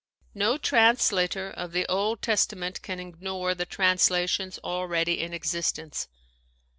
— No translator of the Old Testament can ignore the translations already in existence.